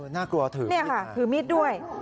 น่ากลัวถือมิดค่ะนี่ค่ะถือมิดด้วย